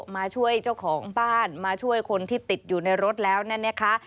มาช่วยเจ้าของบ้านมาช่วยคนที่ติดอยู่ในรถแล้วนั่นนะคะ